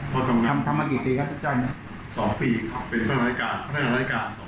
เพราะทำงานทำมากี่ปีครับอันนี้สองปีค่ะเป็นพันธ์รายการพันธ์รายการสองปี